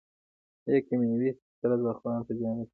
آیا کیمیاوي سره زعفرانو ته زیان رسوي؟